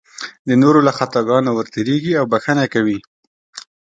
د نورو له خطاګانو ورتېرېږي او بښنه کوي.